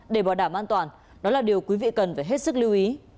để bảo đảm an toàn đó là điều quý vị cần phải hết sức lưu ý